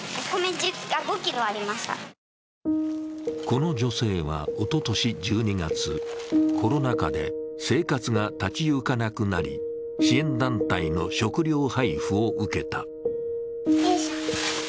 この女性は、おととし１２月、コロナ禍で生活が立ち行かなくなり、支援団体の食料配布を受けた。